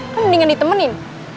kan mendingan ditemenin